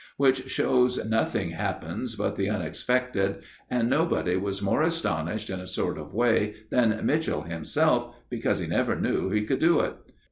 Which shows nothing happens but the unexpected, and nobody was more astonished in a sort of way than Mitchell himself, because he never knew he could do it.